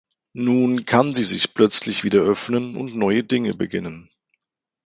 Nun kann sie sich plötzlich wieder öffnen und neue Dinge beginnen.